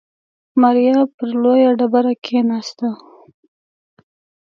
ماريا پر لويه ډبره کېناسته.